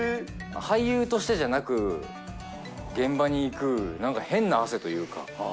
俳優としてじゃなく、現場に行く、なんか変な汗というか。